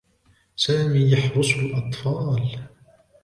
سامي يحرس الأطفال.